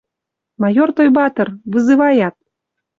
«Майор Тойбатр, вызываят!..»